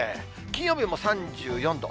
金曜日も３４度。